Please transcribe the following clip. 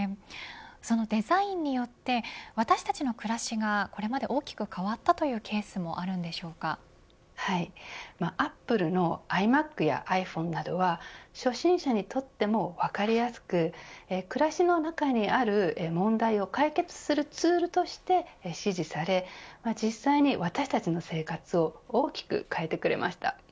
そのデザインによって私たちの暮らしがこれまで大きく変わったというケースもアップルのｉＭａｃやｉＰｈｏｎｅなどは初心者にとっても分かりやすく暮らしの中にある問題を解決するツールとして支持され実際に私たちの生活を大きく変えてくれました。